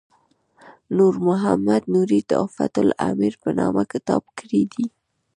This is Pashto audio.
نور محمد نوري تحفة الامیر په نامه کتاب کړی دی.